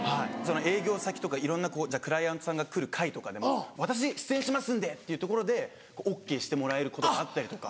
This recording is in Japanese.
営業先とかいろんなクライアントさんが来る会とかで「私出演しますんで」っていうところでＯＫしてもらえることがあったりとか。